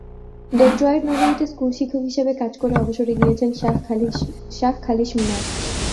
Detroit নগরীতে স্কুলশিক্ষক হিসেবে কাজ করে অবসরে গিয়েছেন শাহ খালিশ মিনার।